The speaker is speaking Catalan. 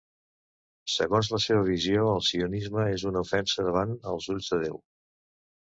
Segons la seva visió, el sionisme és una ofensa davant els ulls de Déu.